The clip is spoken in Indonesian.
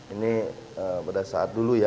ini pada saat dulu ya